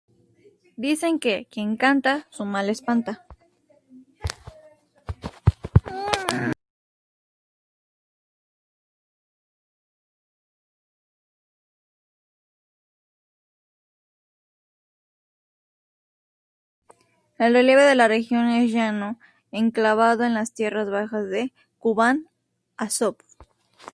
El relieve de la región es llano, enclavado en las tierras bajas de Kubán-Azov.